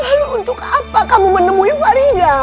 lalu untuk apa kamu menemui faridya